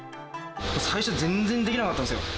最初、全然できなかったんですよ。